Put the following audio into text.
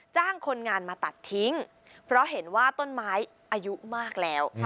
จ้างคนงานมาตัดทิ้งเพราะเห็นว่าต้นไม้อายุมากแล้ว